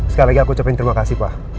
sekali lagi aku ucapin terima kasih pak